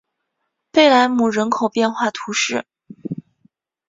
贝莱姆人口变化图示